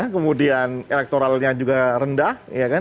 kemudian elektoralnya juga rendah